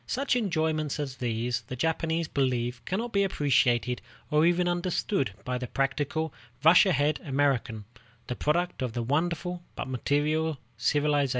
Such enjoyments as these, the Japanese believe, cannot be appreciated or even understood by the practical, rush ahead American, the product of the wonderful but material civilization of the West.